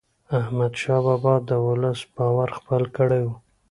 احمدشاه بابا د ولس باور خپل کړی و.